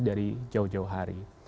dari jauh jauh hari